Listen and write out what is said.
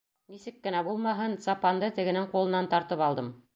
Нисек кенә булмаһын, сапанды тегенең ҡулынан тартып алдым.